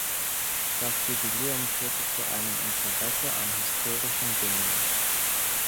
Das Jubiläum führte zu einem Interesse an historischen Dingen.